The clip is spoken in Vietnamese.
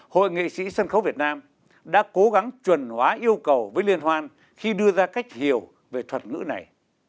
hội nghệ sĩ sân khấu việt nam đã cố gắng chuẩn hóa yêu cầu với liên hoan khi đưa ra cách hiểu về thuật ngữ này